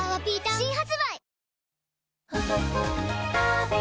新発売